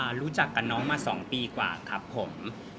รู้จักกับน้องมา๒ปีกว่าครับผม